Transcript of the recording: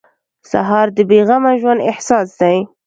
سهار د بې غمه ژوند احساس دی.